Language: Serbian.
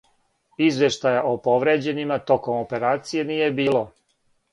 Извештаја о повређенима током операције није било.